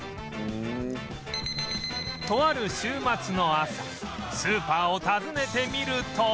とある週末の朝スーパーを訪ねてみると